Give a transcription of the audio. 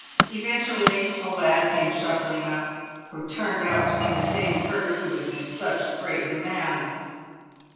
Eventually, a lad came shuffling up, who turned out to be the same Curt who was in such great demand.